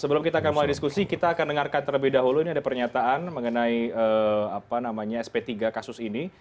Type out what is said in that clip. sebelum kita akan mulai diskusi kita akan dengarkan terlebih dahulu ini ada pernyataan mengenai sp tiga kasus ini